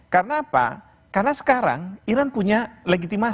karena apa karena sekarang iran punya legitimasi